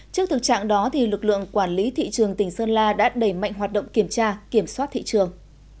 trước thực trạng đó lực lượng quản lý thị trường tỉnh sơn la đã đẩy mạnh hoạt động kiểm tra kiểm soát thị trường